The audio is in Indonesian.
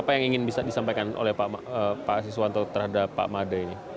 apa yang ingin bisa disampaikan oleh pak asiswanto terhadap pak made ini